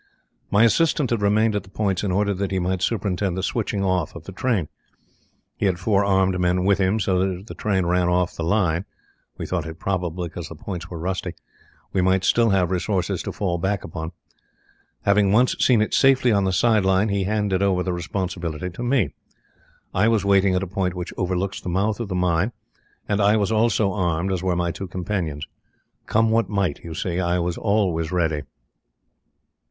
"My assistant had remained at the points in order that he might superintend the switching off of the train. He had four armed men with him, so that if the train ran off the line we thought it probable, because the points were very rusty we might still have resources to fall back upon. Having once seen it safely on the side line, he handed over the responsibility to me. I was waiting at a point which overlooks the mouth of the mine, and I was also armed, as were my two companions. Come what might, you see, I was always ready.